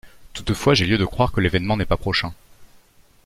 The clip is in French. Toutefois j'ai lieu de croire que l'événement n'est pas prochain.